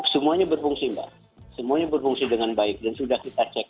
semuanya berfungsi mbak semuanya berfungsi dengan baik dan sudah kita cek